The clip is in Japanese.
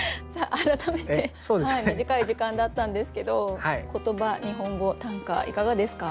改めて短い時間だったんですけど言葉日本語短歌いかがですか？